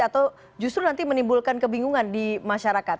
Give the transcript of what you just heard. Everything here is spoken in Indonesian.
atau justru nanti menimbulkan kebingungan di masyarakat